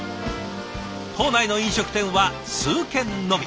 島内の飲食店は数軒のみ。